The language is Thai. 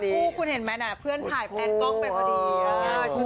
แล้วชุดเข้ามาคู่คุณเห็นไหมนะเพื่อนถ่ายแผ่นกล้องไปพอดี